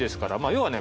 要はね